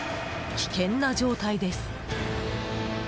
危険な状態です。